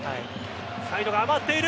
サイドが余っている。